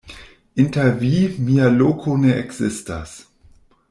Inter vi mia loko ne ekzistas.